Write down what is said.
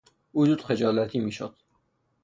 او زود خجالتی میشد.